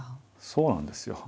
そうなんですよ。